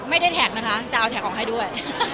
แท็กนะคะแต่เอาแท็กออกให้ด้วย